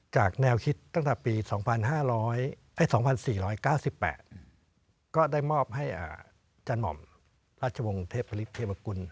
จากแนวคิดตั้งแต่ปี๒๔๙๘ได้มอบให้จันหม่อมรัชวงธ์เทพลิกเพลินค์เทพละกุล